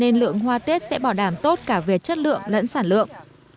nên lượng hoa tết sẽ bảo đảm tốt cả về chất lượng lẫn sản lượng